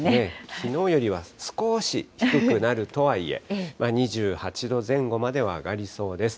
きのうよりは少し低くなるとはいえ、２８度前後までは上がりそうです。